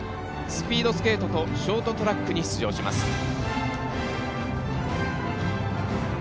スピードスケートとショートトラックに出場します。